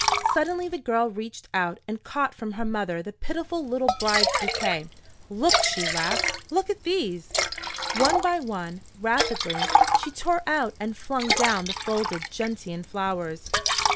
Suddenly the girl reached out and caught from her mother the pitiful little bride's bouquet. "Look!" she laughed. "Look at these!" One by one, rapidly, she tore out and flung down the folded gentian flowers.